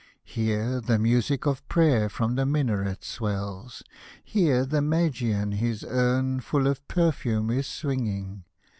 Here the music of prayer from a minaret swells, Here the Magian his urn, full of perfume, is swing ing.